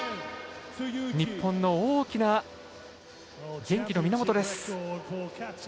日本の大きな元気の源です。